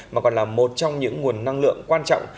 mà còn là một trong những nguồn năng lượng quan trọng